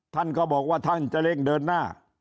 ท่านก็บอกว่าท่านจะเร่งเดินหน้า